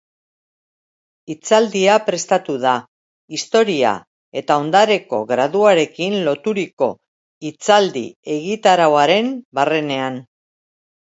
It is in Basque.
Hitzaldia prestatu da, Historia eta Ondareko Graduarekin loturiko hitzaldi egitarauaren barrenean.